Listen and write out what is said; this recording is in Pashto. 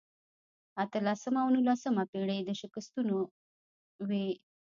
اتلسمه او نولسمه پېړۍ د شکستونو وې.